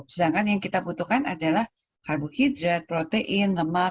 sedangkan yang kita butuhkan adalah karbohidrat protein lemak